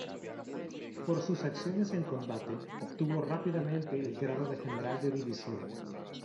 Por sus acciones en combate obtuvo rápidamente el grado de general de división.